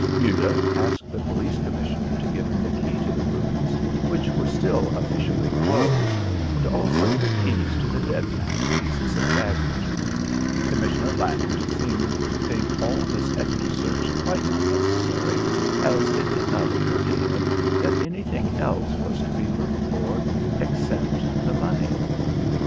Muller asked the Police Commissioner to give him the key to the rooms, which were still officially closed, and also the keys to the dead man's pieces of baggage. Commissioner Lange seemed to think all this extra search quite unnecessary, as it did not occur to him that anything else was to be looked for except the money.